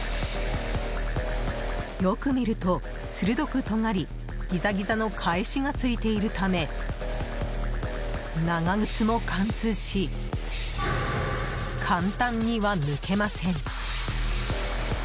よく見ると、鋭くとがりギザギザの返しがついているため長靴も貫通し簡単には抜けません。